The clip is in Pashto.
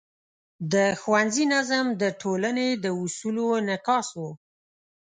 د ښوونځي نظم د ټولنې د اصولو انعکاس و.